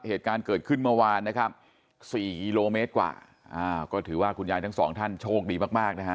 เหตุการณ์เกิดขึ้นเมื่อวานนะครับสี่กิโลเมตรกว่าอ่าก็ถือว่าคุณยายทั้งสองท่านโชคดีมากมากนะฮะ